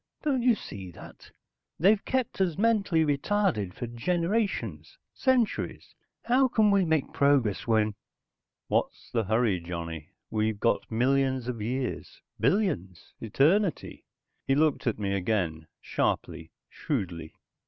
Don't you see that? They've kept us mentally retarded for generations, centuries. How can we make progress when...." "What's the hurry, Johnny? We've got millions of years, billions, eternity." He looked at me again, sharply, shrewdly.